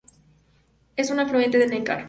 Es un afluente del Neckar.